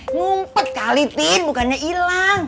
ngumpet kali tin bukannya hilang